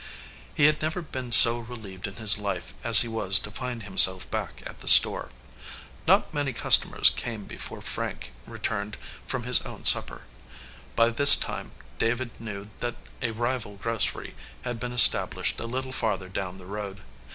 He had never been so relieved in his life as he was to find himself back at the store. Not many customers came before Frank returned from his own supper. By this time David knew that a rival grocery had been established a little farther down the road.